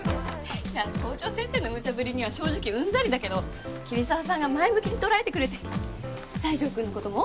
いや校長先生のむちゃぶりには正直うんざりだけど桐沢さんが前向きに捉えてくれて西条くんの事も。